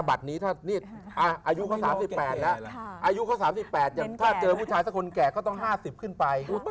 อายุเขา๓๘แล้วถ้าเจอผู้ชายแก่ก็ต้อง๕๐ขึ้นไป